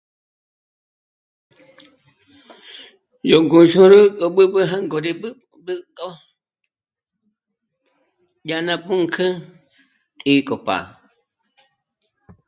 Yó ngûnxôrü gó b'ǚ'b'ü jângo rí b'ǚ'b'ütjo yá ná pǔnk'ü tì'i k'o pá'